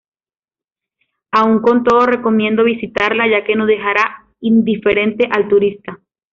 Aun con todo recomiendo visitarla, ya que no dejará indiferente al turista.